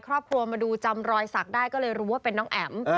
ครอบครัวมาดูจำรอยศักดิ์ได้ก็เลยรู้ว่าเป็นน้องแอ๋ม